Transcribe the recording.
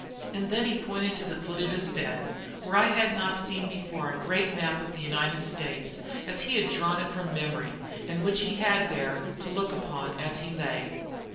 And then he pointed to the foot of his bed, where I had not seen before a great map of the United States, as he had drawn it from memory, and which he had there to look upon as he lay.